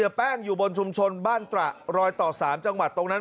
หาวหาวหาวหาวหาวหาวหาวหาวหาว